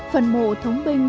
phần mộ thống binh